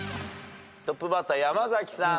トップバッター山崎さん。